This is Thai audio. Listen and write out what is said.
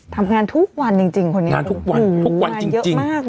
ทำงานทุกวันจริงคนไหน